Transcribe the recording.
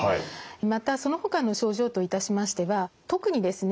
またそのほかの症状といたしましては特にですね